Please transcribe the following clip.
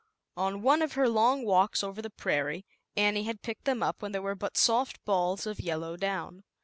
On one of her long walks over the prairie, Annie had picked them up when they were but soft balls of yellow down.